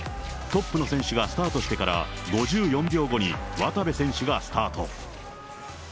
トップの選手がスタートしてから５４秒後に渡部選手がスタート。